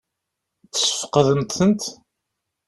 Tesfeqdemt-tent?